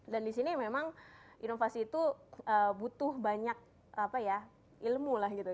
dan di sini memang inovasi itu butuh banyak ilmu lah gitu